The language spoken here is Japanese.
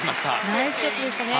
ナイスショットでしたね。